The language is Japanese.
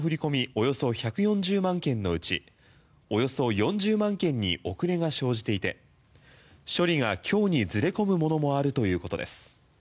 およそ１４０万件のうちおよそ４０万件に遅れが生じていて処理が今日にずれ込むものもあるということです。